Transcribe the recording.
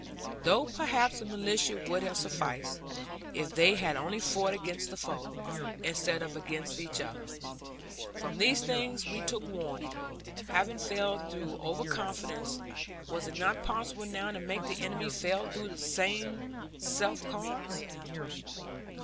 Though perhaps the militia would have sufficed, if they had only fought against the foe, instead of against each other. From these things we took warning; having failed through over confidence, was it not possible now to make the enemy fail through the selfsame cause?